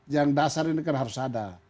yang dasar ini kan harus ada